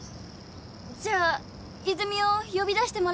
じゃあ泉を呼び出してもらえませんか？